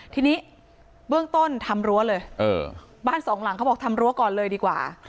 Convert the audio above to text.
ทีนี้เบื้องต้นทำรั้วเลยบ้านสองหลังเขาบอกทำรั้วก่อนเลยดีกว่า